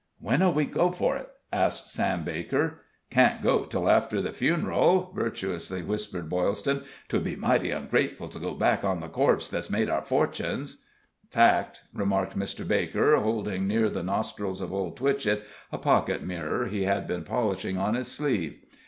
"When'll we go for it?" asked Sam Baker. "Can't go till after the fun'ril," virtuously whispered Boylston. "'Twould be mighty ungrateful to go back on the corpse that's made our fortunes." "Fact," remarked Mr. Baker, holding near the nostrils of Old Twitchett a pocket mirror he had been polishing on his sleeve.